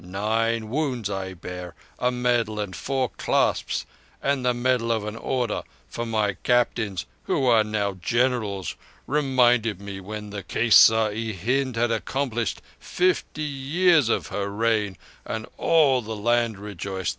Nine wounds I bear; a medal and four clasps and the medal of an Order, for my captains, who are now generals, remembered me when the Kaisar i Hind had accomplished fifty years of her reign, and all the land rejoiced.